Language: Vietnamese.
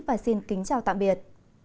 và xin kính chào tạm biệt